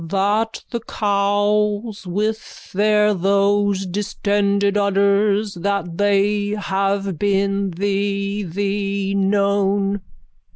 _ That the cows with their those distended udders that they have been the the known...